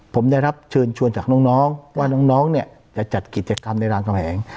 ผมได้รับเชิญชวนจากน้องว่าน้องเนี่ยจะจัดกิจกรรมในรามคำแหง